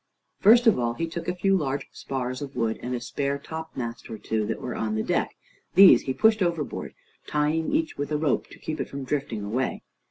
First of all, he took a few large spars of wood, and a spare topmast or two, that were on the deck. These he pushed overboard, tying each with a rope to keep it from drifting away.